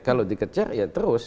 kalau dikejar ya terus